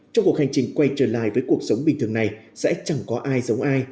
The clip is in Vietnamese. trong cuộc hành trình quay trở lại với cuộc sống bình thường này sẽ chẳng có ai giống ai